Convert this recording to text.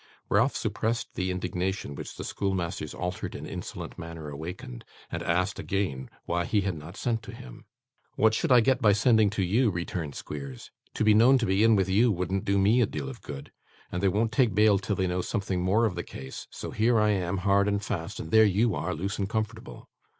Ralph suppressed the indignation which the schoolmaster's altered and insolent manner awakened, and asked again why he had not sent to him. 'What should I get by sending to you?' returned Squeers. 'To be known to be in with you wouldn't do me a deal of good, and they won't take bail till they know something more of the case, so here am I hard and fast: and there are you, loose and comfortable.